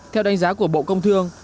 theo đánh giá của bộ công thương